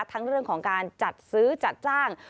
ทั้งเรื่องของการจัดซื้อจัดจ้าง